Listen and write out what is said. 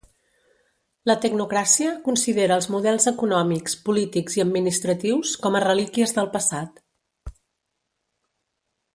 La tecnocràcia considera els models econòmics, polítics i administratius com a relíquies del passat.